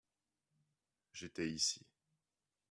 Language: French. J'étais ici.